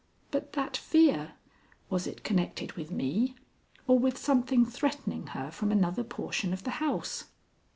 But that fear? Was it connected with me or with something threatening her from another portion of the house?